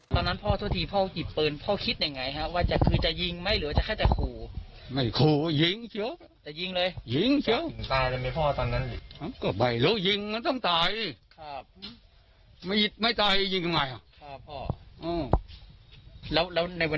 ตอนนั้นพ่อโทษทีพ่อหยิบปืนพ่อคิดอย่างไรคะ